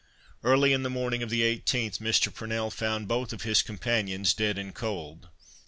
Early in the morning of the 18th, Mr. Purnell found both of his companions dead and cold!